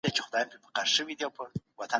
استازي به د بشري حقونو قانون پلی کړي.